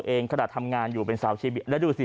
ที่ถึงขนาดฯทำงานอยู่เป็นสาวเชียร์เบียร์แล้วดูสิ